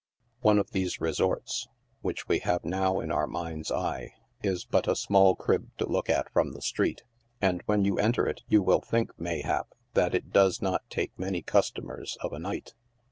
One of these resorts, which we have now in our mind's eye, is but a small crib to look at from the street, and when you enter it you will think, mayhap, that it doe3 not take many customers of a night.